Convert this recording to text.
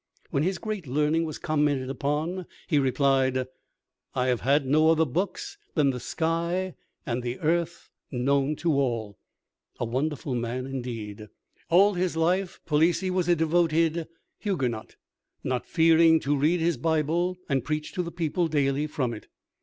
When his great learning was commented upon, he replied, "I have had no other book than the sky and the earth, known to all." A wonderful man indeed! All his life Palissy was a devoted Huguenot, not fearing to read his Bible, and preach to the people daily from it.